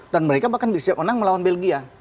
dan mereka bahkan bisa menang melawan belgia